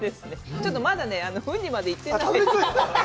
ちょっとまだね、ウニまでいってない。